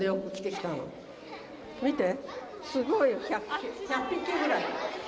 見てすごい１００匹ぐらい。